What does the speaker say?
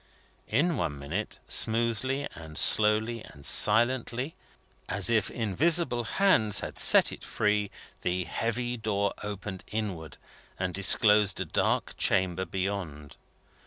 In one minute, smoothly and slowly and silently, as if invisible hands had set it free, the heavy door opened inward, and disclosed a dark chamber beyond.